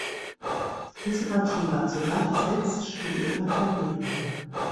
Diese Partie war zugleich das letzte Spiel ihrer Karriere.